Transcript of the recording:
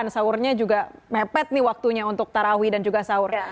saurnya juga mepet nih waktunya untuk tarawi dan juga saur